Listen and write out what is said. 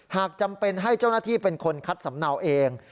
หากจำเป็นให้เจ้าหน้าที่เป็นคนคัดสำเนาเอง